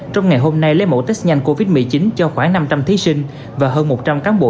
trong ngày hôm nay lấy mẫu test nhanh covid một mươi chín cho khoảng năm trăm linh thí sinh và hơn một trăm linh cán bộ